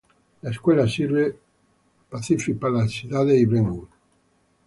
La escuela sirve Pacific Palisades y Brentwood.